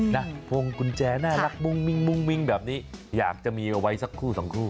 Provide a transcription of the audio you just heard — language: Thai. นักพงกุญแจน่ารักมุ่งมิ่งมุ่งมิ่งแบบนี้อยากจะมีเอาไว้สักคู่สองคู่